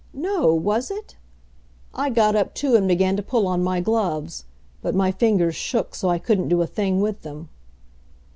"No was it?" I got up, too, and began to pull on my gloves; but my fingers shook so I couldn't do a thing with them.